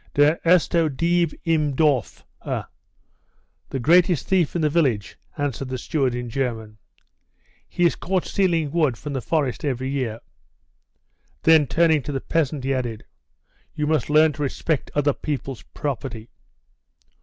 "Der ersto Dieb im Dorfe," [The greatest thief in the village] answered the steward in German. "He is caught stealing wood from the forest every year." Then turning to the peasant, he added, "You must learn to respect other people's property."